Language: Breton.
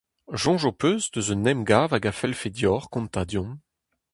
Soñj ho peus eus un emgav hag a fellfe deoc'h kontañ deomp ?